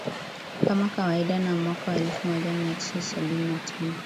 Kama kawaida na mwaka wa elfu moja mia tisa sabini na tano